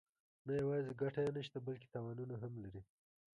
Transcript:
نه یوازې ګټه یې نشته بلکې تاوانونه هم لري.